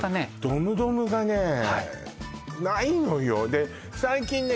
ドムドムがねないのよで最近ね